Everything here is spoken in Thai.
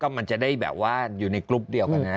มันจะได้แบบว่าอยู่ในกรุ๊ปเดียวกันนะ